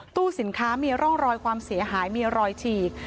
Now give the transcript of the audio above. สินค้ามีร่องรอยความเสียหายมีรอยฉีก